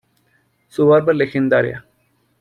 Su barba es legendaria.